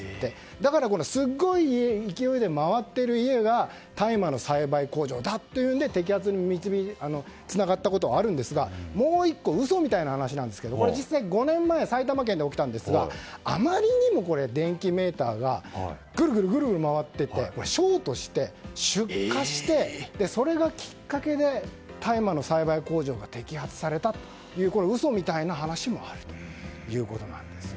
だから、メーターがすごい勢いで回っている家が大麻の栽培工場だというので摘発につながったことはあるんですがもう１個、嘘みたいな話で５年前に埼玉県で起きたんですがあまりにも電気メーターがぐるぐる回ってショートして、出火してそれがきっかけで大麻の栽培工場が摘発されたという嘘みたいな話もあるということなんです。